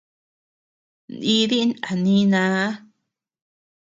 Nídin a nínaa.